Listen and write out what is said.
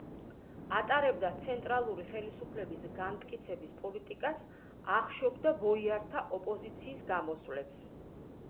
ატარებდა ცენტრალური ხელისუფლების განმტკიცების პოლიტიკას, ახშობდა ბოიართა ოპოზიციის გამოსვლებს.